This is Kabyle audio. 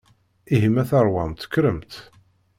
Ihi ma teṛwamt kkremt.